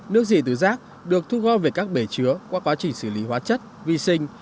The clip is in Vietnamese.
nước dị từ rác được thu gom về các bể chứa qua quá trình xử lý hóa chất vi sinh